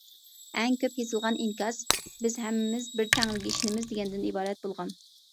ئەڭ كۆپ يېزىلغان ئىنكاس: « بىز ھەممىمىز بىر تەڭرىگە ئىشىنىمىز» دېگەندىن ئىبارەت بولغان.